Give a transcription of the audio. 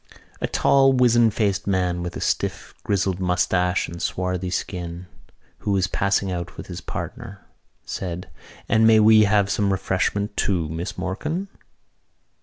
A tall wizen faced man, with a stiff grizzled moustache and swarthy skin, who was passing out with his partner said: "And may we have some refreshment, too, Miss Morkan?"